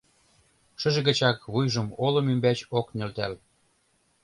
— Шыже гычак вуйжым олым ӱмбач ок нӧлтал.